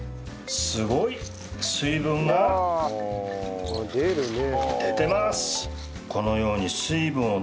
すごい水分が出てます。